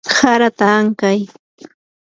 harata ankay.